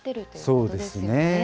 そうですね。